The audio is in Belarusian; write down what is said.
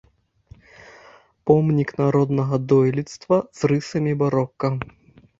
Помнік народнага дойлідства з рысамі барока.